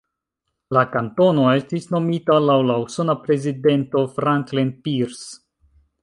La kantono estis nomita laŭ la usona prezidento Franklin Pierce.